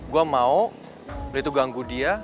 gue mau beli itu ganggu dia